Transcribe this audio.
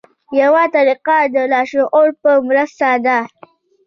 یوه طریقه د لاشعور په مرسته ده.